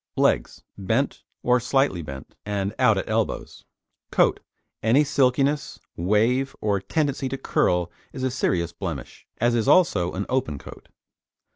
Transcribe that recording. LEGS Bent, or slightly bent, and out at elbows. COAT Any silkiness, wave or tendency to curl is a serious blemish, as is also an open coat.